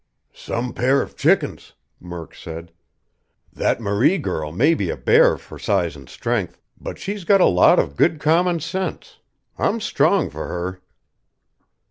"Some pair of chickens!" Murk said. "That Marie girl may be a bear for size and strength, but she's got a lot of good common sense. I'm strong for her!"